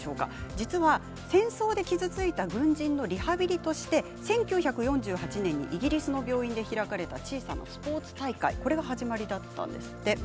実は、戦争で傷ついた軍人のリハビリとして１９４８年にイギリスの病院で開かれた小さなスポーツ大会これが始まりだったんですって。